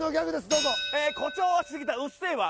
どうぞ誇張をしすぎた「うっせぇわ」